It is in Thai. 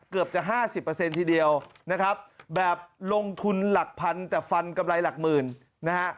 เกือบจะ๕๐ทีเดียวนะครับแบบลงทุนหลักพันแต่ฟันกำไรหลักหมื่นนะฮะ